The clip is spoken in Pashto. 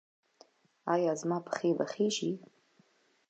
ایا زما پښې به ښې شي؟